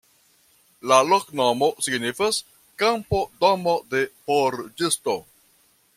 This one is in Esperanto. La loknomo signifas: kampo-domo-de forĝisto.